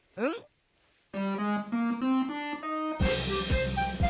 うん。